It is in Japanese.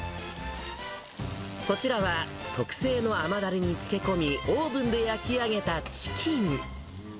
こちらは特製の甘だれに漬け込み、オーブンで焼き上げたチキン。